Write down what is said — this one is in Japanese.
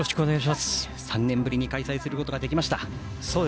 ３年ぶりに開催することができました。